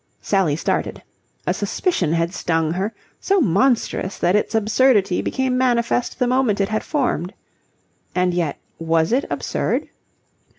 Sally started. A suspicion had stung her, so monstrous that its absurdity became manifest the moment it had formed. And yet was it absurd?